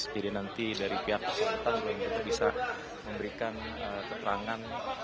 jadi nanti dari pihak persahabatan mungkin kita bisa memberikan keterangan